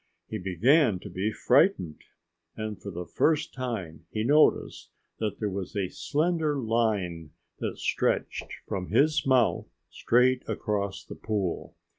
He began to be frightened. And for the first time he noticed that there was a slender line which stretched from his mouth straight across the pool.